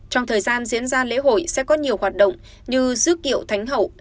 trong thời gian diễn ra lễ hội sẽ có nhiều hoạt động như dước kiệu thánh hậu